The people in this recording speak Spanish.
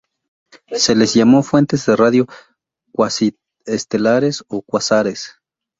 Se les llamó "Fuentes de radio cuasi-estelares", o cuásares.